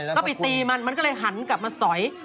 ก็ไปตีมันมันก็เลยหันกลับมาสอย